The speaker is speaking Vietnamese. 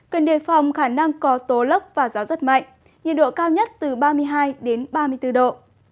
cần đề phòng khả năng có tố lốc và gió rất mạnh nhiệt độ cao nhất từ ba mươi hai ba mươi bốn độ